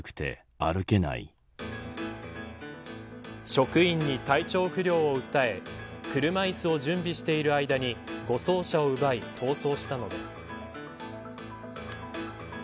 職員に体調不良を訴え車いすを準備している間に護送車を奪い、逃走したのです。